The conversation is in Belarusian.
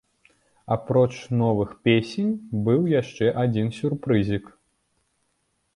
Апроч новых песень быў яшчэ адзін сюрпрызік.